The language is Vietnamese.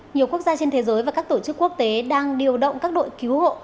nhiều quốc gia trên thế giới và các tổ chức quốc tế đang điều động các đội cứu hộ